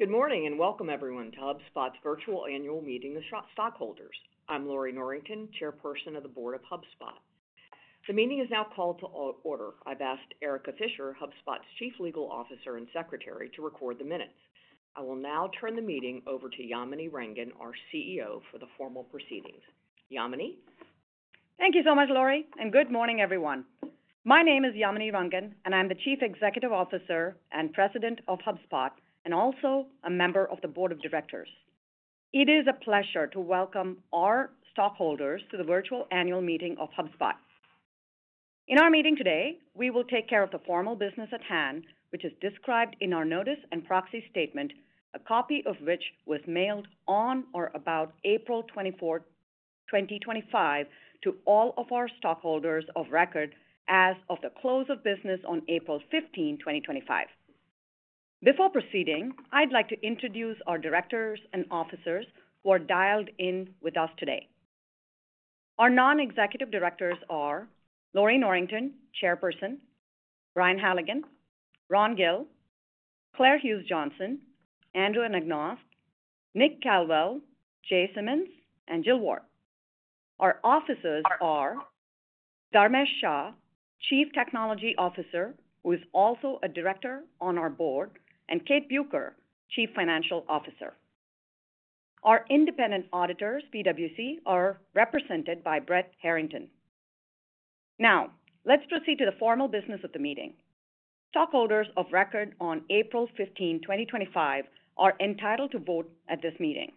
Good morning and welcome, everyone, to HubSpot's virtual annual meeting to stock stockholders. I'm Lorrie Norrington, Chairperson of the Board of HubSpot. The meeting is now called to order. I've asked Erika Fisher, HubSpot's Chief Legal Officer and Secretary, to record the minutes. I will now turn the meeting over to Yamini Rangan, our CEO, for the formal proceedings. Yamini? Thank you so much, Lorrie, and good morning, everyone. My name is Yamini Rangan, and I'm the Chief Executive Officer and President of HubSpot, and also a member of the Board of Directors. It is a pleasure to welcome our stockholders to the virtual annual meeting of HubSpot. In our meeting today, we will take care of the formal business at hand, which is described in our notice and proxy statement, a copy of which was mailed on or about April 24, 2025, to all of our stockholders of record as of the close of business on April 15, 2025. Before proceeding, I'd like to introduce our directors and officers who are dialed in with us today. Our non-executive directors are Lorrie Norrington, Chairperson, Brian Halligan, Ron Gill, Claire Hughes Johnson, Andrew Anagnost, Nick Caldwell, Jay Simons, and Jill Ward. Our officers are Dharmesh Shah, Chief Technology Officer, who is also a director on our board, and Kate Bueker, Chief Financial Officer. Our independent auditors, PwC, are represented by Brett Harrington. Now, let's proceed to the formal business of the meeting. Stockholders of record on April 15, 2025, are entitled to vote at this meeting.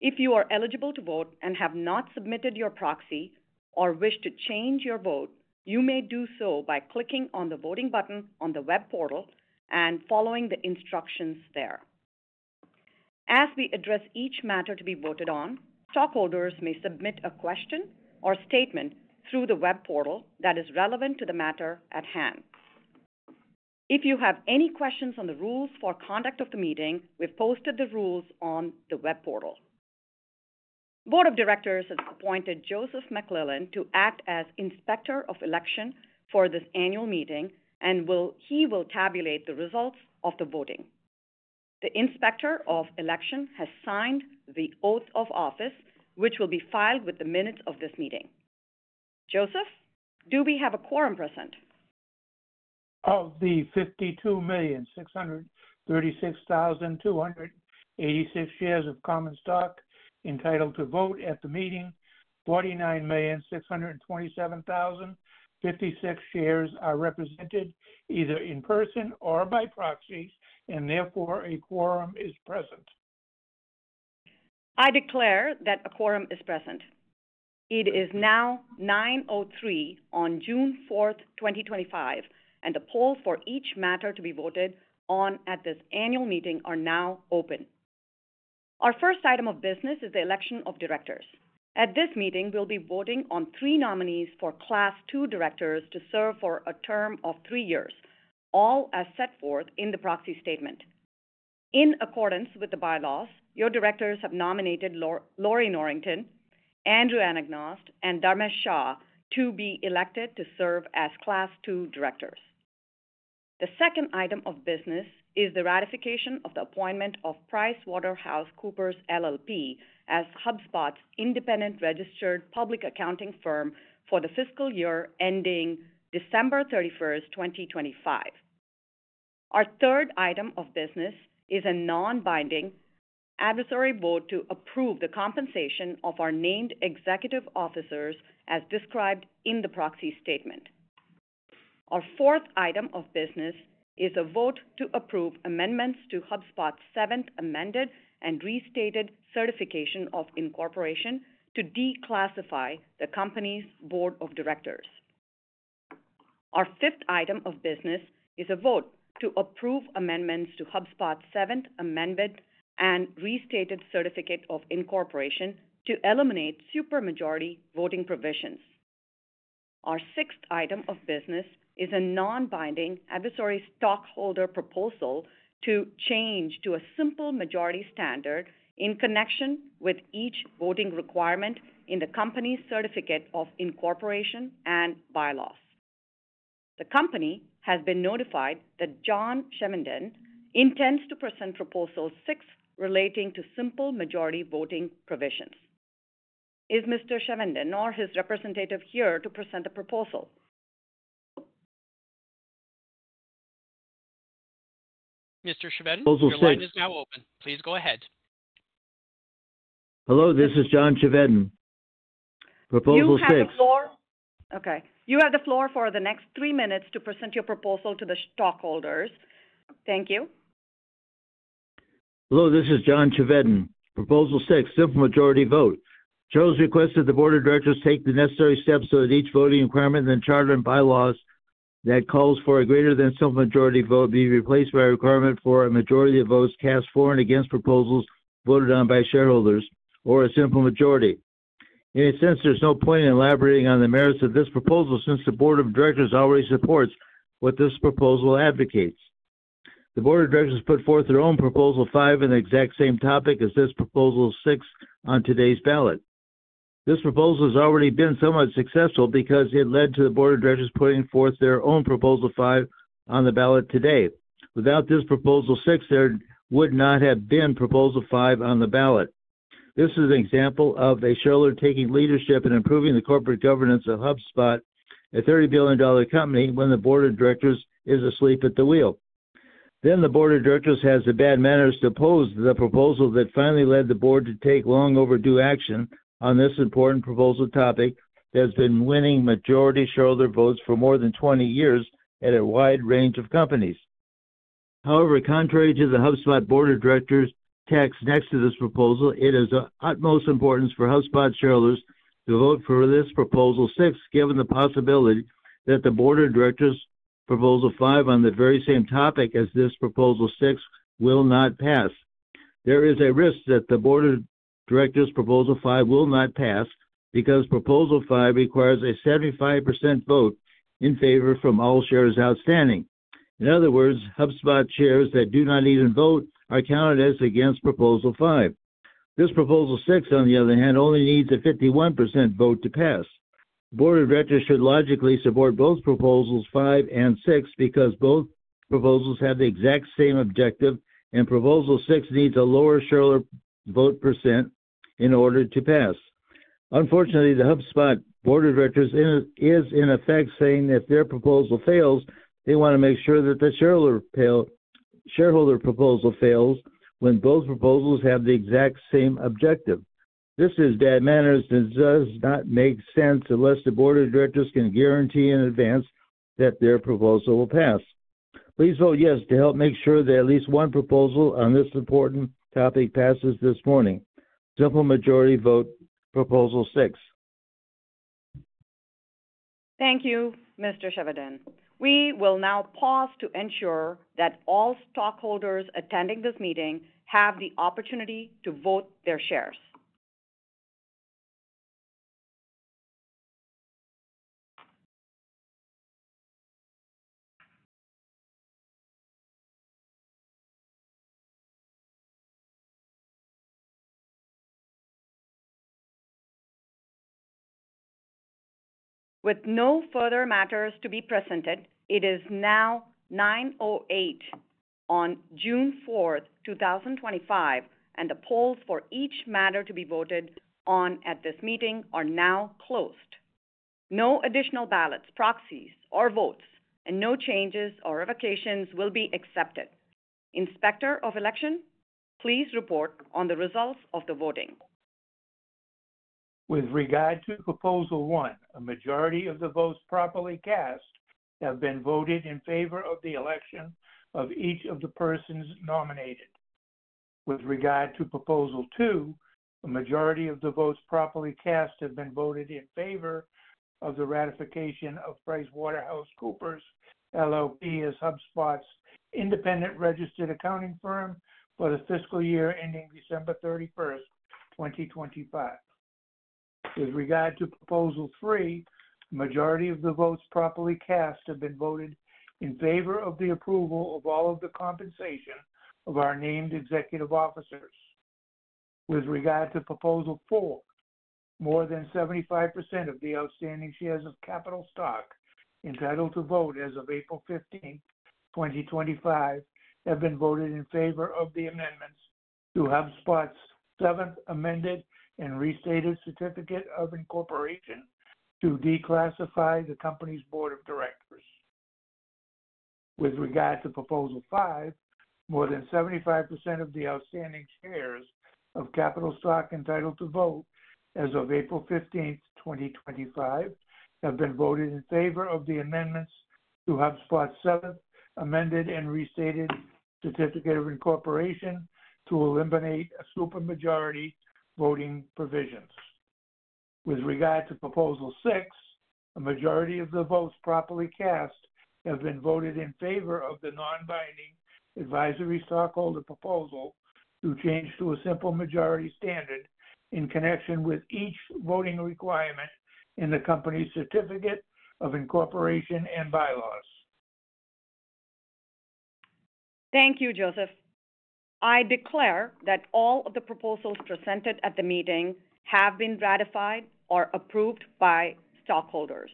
If you are eligible to vote and have not submitted your proxy or wish to change your vote, you may do so by clicking on the voting button on the web portal and following the instructions there. As we address each matter to be voted on, stockholders may submit a question or statement through the web portal that is relevant to the matter at hand. If you have any questions on the rules for conduct of the meeting, we've posted the rules on the web portal. The Board of Directors has appointed Joseph McClellan to act as Inspector of Election for this annual meeting, and he will tabulate the results of the voting. The Inspector of Election has signed the oath of office, which will be filed with the minutes of this meeting. Joseph, do we have a quorum present? Of the 52,636,286 shares of common stock entitled to vote at the meeting, 49,627,056 shares are represented either in person or by proxies, and therefore a quorum is present. I declare that a quorum is present. It is now 9:03 A.M. on June 4, 2025, and the polls for each matter to be voted on at this annual meeting are now open. Our first item of business is the election of directors. At this meeting, we'll be voting on three nominees for Class 2 directors to serve for a term of three years, all as set forth in the proxy statement. In accordance with the bylaws, your directors have nominated Lorrie Norrington, Andrew Anagnost, and Dharmesh Shah to be elected to serve as Class 2 directors. The second item of business is the ratification of the appointment of PricewaterhouseCoopers LLP as HubSpot's independent registered public accounting firm for the fiscal year ending December 31, 2025. Our third item of business is a non-binding advisory vote to approve the compensation of our named executive officers as described in the proxy statement. Our fourth item of business is a vote to approve amendments to HubSpot’s Seventh Amended and Restated Certificate of Incorporation to declassify the company's board of directors. Our fifth item of business is a vote to approve amendments to HubSpot’s Seventh Amended and Restated Certificate of Incorporation to eliminate supermajority voting provisions. Our sixth item of business is a non-binding advisory stockholder proposal to change to a simple majority standard in connection with each voting requirement in the Company’s Certificate of Incorporation and Bylaws. The company has been notified that John Chevedden intends to present Proposal Six relating to simple majority voting provisions. Is Mr. Chevedden or his representative here to present the proposal? Mr. Chevedden. Proposal Six. The floor is now open. Please go ahead. Hello, this is John Chevedden. Proposal Six. You have the floor. Okay. You have the floor for the next three minutes to present your proposal to the stockholders. Thank you. Hello, this is John Chevedden. Proposal Six, simple majority vote. Charles requested the board of directors take the necessary steps so that each voting requirement and charter and bylaws that calls for a greater than simple majority vote be replaced by a requirement for a majority of votes cast for and against proposals voted on by shareholders or a simple majority. In a sense, there's no point in elaborating on the merits of this proposal since the board of directors already supports what this proposal advocates. The board of directors put forth their own Proposal Five on the exact same topic as this Proposal Six on today's ballot. This proposal has already been somewhat successful because it led to the board of directors putting forth their own Proposal Five on the ballot today. Without this Proposal Six, there would not have been Proposal Five on the ballot. This is an example of a shareholder taking leadership and improving the corporate governance of HubSpot, a $30 billion company, when the board of directors is asleep at the wheel. The board of directors has the bad manners to oppose the proposal that finally led the board to take long-overdue action on this important proposal topic that has been winning majority shareholder votes for more than 20 years at a wide range of companies. However, contrary to the HubSpot board of directors' text next to this proposal, it is of utmost importance for HubSpot shareholders to vote for this Proposal Six, given the possibility that the board of directors' Proposal Five on the very same topic as this Proposal Six will not pass. There is a risk that the board of directors' Proposal Five will not pass because Proposal Five requires a 75% vote in favor from all shares outstanding. In other words, HubSpot shares that do not even vote are counted as against Proposal Five. This Proposal Six, on the other hand, only needs a 51% vote to pass. Board of directors should logically support both proposals five and six because both proposals have the exact same objective, and Proposal Six needs a lower shareholder vote % in order to pass. Unfortunately, the HubSpot board of directors is in effect saying that if their proposal fails, they want to make sure that the shareholder proposal fails when both proposals have the exact same objective. This is bad manners and does not make sense unless the board of directors can guarantee in advance that their proposal will pass. Please vote yes to help make sure that at least one proposal on this important topic passes this morning. Simple majority vote Proposal Six. Thank you, Mr. Chevedden. We will now pause to ensure that all stockholders attending this meeting have the opportunity to vote their shares. With no further matters to be presented, it is now 9:08 A.M. on June 4, 2025, and the polls for each matter to be voted on at this meeting are now closed. No additional ballots, proxies, or votes, and no changes or revocations will be accepted. Inspector of Election, please report on the results of the voting. With regard to Proposal One, a majority of the votes properly cast have been voted in favor of the election of each of the persons nominated. With regard to Proposal Two, a majority of the votes properly cast have been voted in favor of the ratification of PricewaterhouseCoopers LLP as HubSpot's independent registered accounting firm for the fiscal year ending December 31, 2025. With regard to Proposal Three, a majority of the votes properly cast have been voted in favor of the approval of all of the compensation of our named executive officers. With regard to Proposal Four, more than 75% of the outstanding shares of capital stock entitled to vote as of April 15, 2025, have been voted in favor of the amendments to HubSpot’s Seventh Amended and Restated Certificate of Incorporation to declassify the company's board of directors. With regard to Proposal Five, more than 75% of the outstanding shares of capital stock entitled to vote as of April 15, 2025, have been voted in favor of the amendments to HubSpot’s Seventh Amended and Restated Certificate of Incorporation to eliminate supermajority voting provisions. With regard to Proposal Six, a majority of the votes properly cast have been voted in favor of the non-binding advisory stockholder proposal to change to a simple majority standard in connection with each voting requirement in the Company’s Certificate of Incorporation and Bylaws. Thank you, Joseph. I declare that all of the proposals presented at the meeting have been ratified or approved by stockholders.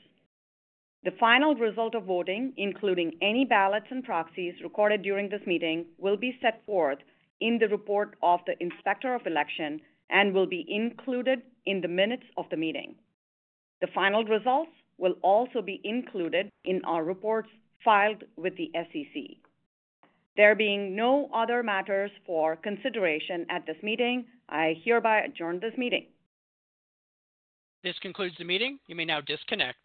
The final result of voting, including any ballots and proxies recorded during this meeting, will be set forth in the report of the Inspector of Election and will be included in the minutes of the meeting. The final results will also be included in our reports filed with the SEC. There being no other matters for consideration at this meeting, I hereby adjourn this meeting. This concludes the meeting. You may now disconnect.